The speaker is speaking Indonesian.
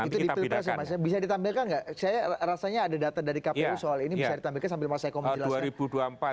itu di pilpres ya mas ya bisa ditampilkan nggak saya rasanya ada data dari kpu soal ini bisa ditampilkan sambil mas eko menjelaskan